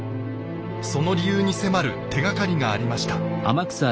その理由に迫る手がかりがありました。